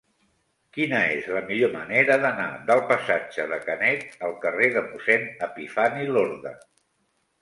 Quina és la millor manera d'anar del passatge de Canet al carrer de Mossèn Epifani Lorda?